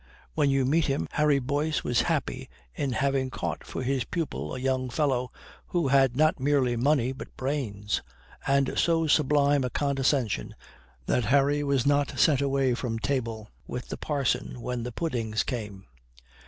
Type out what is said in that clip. When you meet him, Harry Boyce was happy in having caught for his pupil a young fellow who had not merely money but brains, and so sublime a condescension that Harry was not sent away from table with the parson when the puddings came.